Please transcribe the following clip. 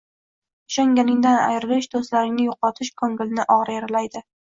Ishonganingdan ayrilish, doʻstlaringni yoʻqotish koʻngilni ogʻir yaralaydi